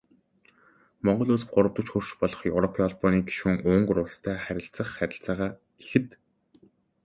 Монгол Улс гуравдагч хөрш болох Европын Холбооны гишүүн Унгар улстай харилцах харилцаагаа ихэд чухалчилдаг.